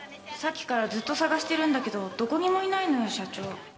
さっきからずっと捜してるんだけどどこにもいないのよ社長。